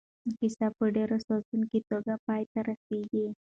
کیسه په ډېره سوزناکه توګه پای ته رسېږي.